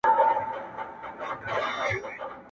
خر چي هر کله چمونه کړي د سپیو،